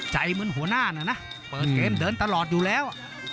เหมือนหัวหน้านะเปิดเกมเดินตลอดอยู่แล้ว